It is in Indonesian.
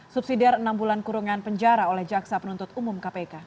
subsidiar enam bulan kurungan penjara oleh jaksa penuntut umum kpk